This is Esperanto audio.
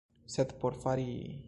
Sed por fari...